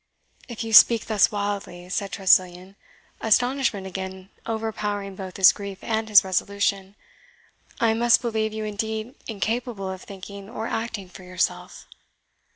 "If you speak thus wildly," said Tressilian, astonishment again overpowering both his grief and his resolution, "I must believe you indeed incapable of thinking or acting for yourself."